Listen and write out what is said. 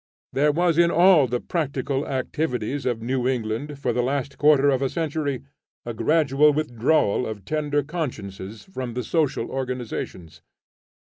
There was in all the practical activities of New England for the last quarter of a century, a gradual withdrawal of tender consciences from the social organizations.